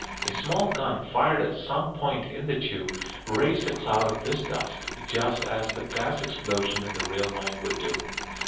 A small gun fired at some point in the tube raised a cloud of this dust just as the gas explosion in the real mine would do.